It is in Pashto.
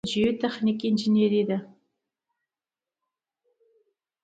څلورمه برخه جیوتخنیک انجنیری ده.